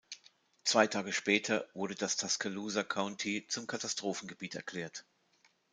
Zwei Tage später wurde das Tuscaloosa County zum Katastrophengebiet erklärt.